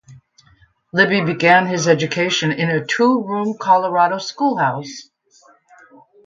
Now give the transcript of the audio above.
Libby began his education in a two-room Colorado schoolhouse.